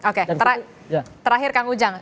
oke terakhir kang ujang